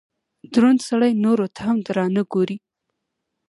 دروند سړئ نورو ته هم درانه ګوري